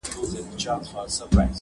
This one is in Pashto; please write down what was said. • ورته ګوره چي عطا کوي سر خم کا,